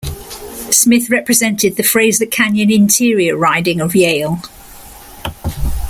Smith represented the Fraser Canyon-Interior riding of Yale.